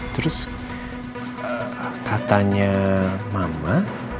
terus katanya mama